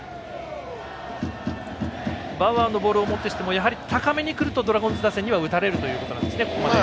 バウアーのボールをもってしても高めにくるとドラゴンズ打線には打たれるということなんですね。